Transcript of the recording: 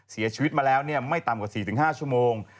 เสียชีวิตมาแล้วไม่ต่ำกว่า๔๕ชั่วโมง